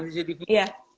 datang ke rumah